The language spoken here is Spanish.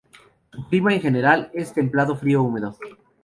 Su clima en general es templado frío húmedo.